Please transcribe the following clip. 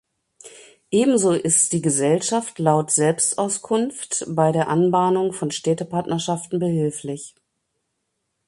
Ebenso ist die Gesellschaft laut Selbstauskunft bei der Anbahnung von Städtepartnerschaften behilflich.